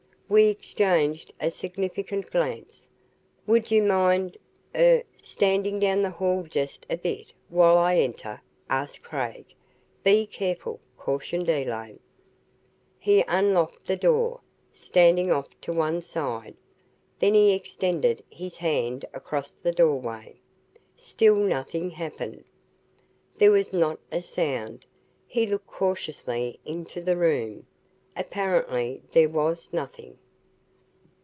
We exchanged a significant glance. "Would you mind er standing down the hall just a bit while I enter?" asked Craig. "Be careful," cautioned Elaine. He unlocked the door, standing off to one side. Then he extended his hand across the doorway. Still nothing happened. There was not a sound. He looked cautiously into the room. Apparently there was nothing.